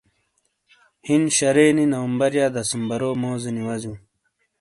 ہِن شَرے نی نومبر یا دسمبرو موزینی وزیوں۔